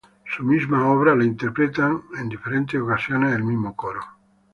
Su misma obra es interpretada en diferentes ocasiones por el mismo coro.